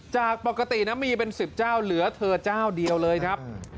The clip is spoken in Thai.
จากปกตินะมีเป็น๑๐เจ้าเหลือเธอเจ้าเดียวเลยครับ